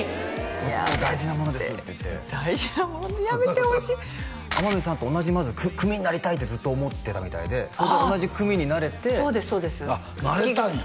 やめて「大事なものです」って言って「大事なもの」やめてほしい「天海さんと同じまず組になりたい」ってずっと思ってたみたいで同じ組になれてそうですそうですあっなれたんや！